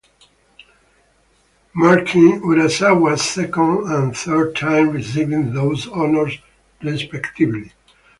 Marking Urasawa's second and third time receiving those honors respectively.